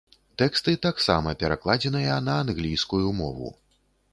Тэксты таксама перакладзеныя на англійскую мову.